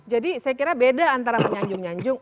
jadi saya kira beda antara menyanjung nyanjung